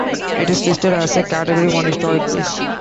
It is listed as a Category One Historic Place.